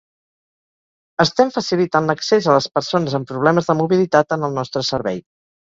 Estem facilitant l'accés a les persones amb problemes de mobilitat en el nostre servei.